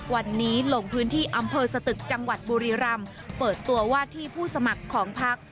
วันนี้ลงพื้นที่อำเภอสตึกจังหวัดบุรีรำเปิดตัวว่าที่ผู้สมัครของพัก